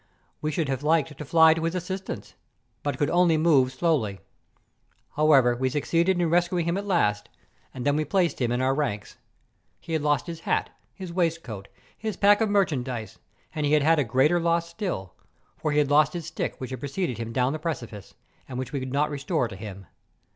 We should have liked to fly to his assistance, but could only move slowly. However, we succeeded in res¬ cuing him at last, and then we placed him in our ranks. He had lost his hat, his waistcoat, his pack of merchandise, and he had had a greater loss still ; fcr he had lost his stick wdiich had pre¬ ceded him down the precipice, and which we could not restore to him.